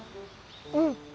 うん。